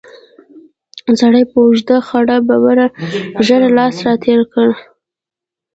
سړي په اوږده خړه ببره ږېره لاس تېر کړ.